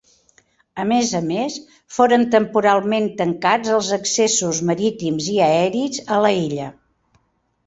A més a més foren temporalment tancats els accessos marítims i aeris a l'illa.